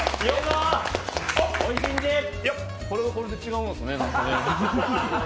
これはこれで違うんですね、なんかね。